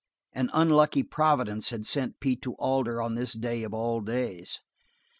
An unlucky Providence had sent Pete to Alder on this day of all days.